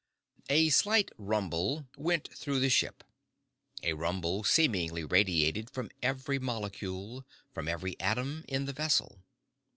A slight rumble went through the ship, a rumble seemingly radiated from every molecule, from every atom, in the vessel.